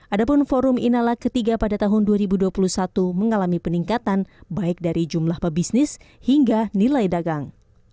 adapun forum inalak ketiga pada tahun dua ribu dua puluh satu mengalami peningkatan baik dari jumlah pebisnis hingga nilai dagang